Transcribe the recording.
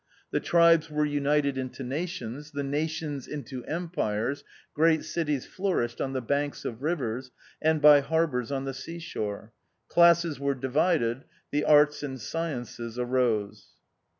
The tribes were united into nations, the nations into empires, great cities flour ished on the banks of rivers, and by har bours on the sea shore ; classes were divided, the arts and sciences arose.